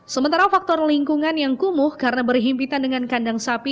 sementara faktor lingkungan yang kumuh karena berhimpitan dengan kandang sapi